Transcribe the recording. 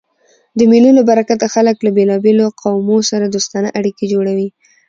د مېلو له برکته خلک له بېلابېلو قومو سره دوستانه اړیکي جوړوي.